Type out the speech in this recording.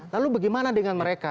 lalu bagaimana dengan mereka